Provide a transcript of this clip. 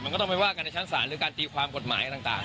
มันก็ต้องไปว่ากันในชั้นศาลหรือการตีความกฎหมายต่าง